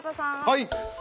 はい。